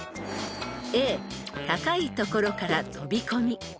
［Ａ高い所から飛び込み］